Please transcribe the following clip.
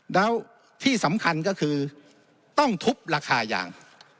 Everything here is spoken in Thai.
แล้วที่สำคัญก็คือต้องทุบราคายาง